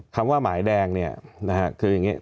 คำว่าหมายแดงคืออย่างนี้